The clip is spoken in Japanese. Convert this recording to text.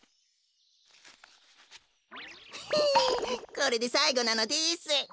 これでさいごなのです。